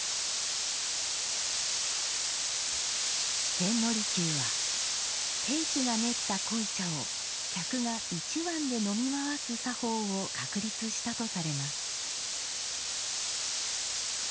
千利休は亭主が練った濃茶を客が一碗で飲み回す作法を確立したとされます。